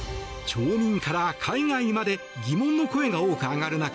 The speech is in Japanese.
町民から海外まで疑問の声が多く上がる中